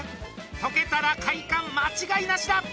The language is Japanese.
解けたら快感間違いなしだ！